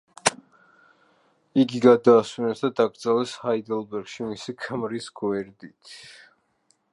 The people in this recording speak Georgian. იგი გადაასვენეს და დაკრძალეს ჰაიდელბერგში, მისი ქმრის გვერდით.